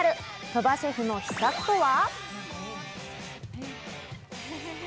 鳥羽シェフの秘策とは？